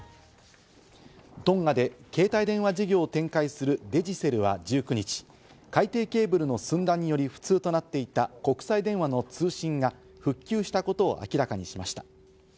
トンガで携帯電話事業を展開するデジセルは１９日、海底ケーブルの寸断により、不通となっていた国際電話の通信が復旧したことを明らかにしました。